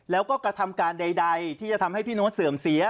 แล้วก็กระทำการใดที่จะทำให้พี่โน้ตเสื่อมเสีย